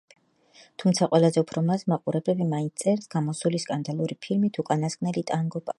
თუმცა, ყველაზე უფრო მას მაყურებლები მაინც წელს გამოსული სკანდალური ფილმით „უკანასკნელი ტანგო პარიზში“ იცნობენ.